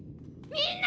みんな！